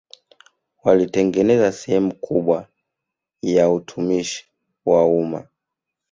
Walitengeneza sehemu kubwa ya utumishi wa umma